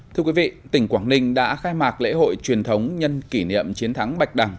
thưa quý vị tỉnh quảng ninh đã khai mạc lễ hội truyền thống nhân kỷ niệm chiến thắng bạch đằng